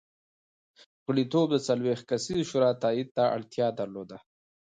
غړیتوب د څلوېښت کسیزې شورا تایید ته اړتیا درلوده